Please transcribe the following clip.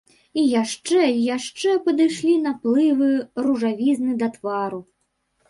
І яшчэ і яшчэ падышлі наплывы ружавізны да твару.